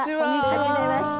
はじめまして。